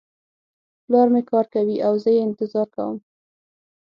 پلار مې کار کوي او زه یې انتظار کوم